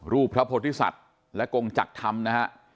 รูปพระพธิสัตว์และกรงจักรธรรมนะครับ